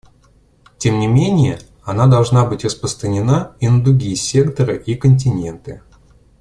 Тем не менее, она должна быть распространена и на другие секторы и континенты.